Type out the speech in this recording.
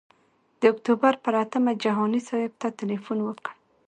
د اکتوبر پر اتمه جهاني صاحب ته تیلفون وکړ.